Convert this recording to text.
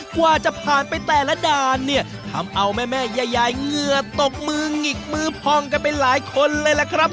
กว่าจะผ่านไปแต่ละด่านเนี่ยทำเอาแม่แม่ยายเหงื่อตกมือหงิกมือพองกันไปหลายคนเลยล่ะครับ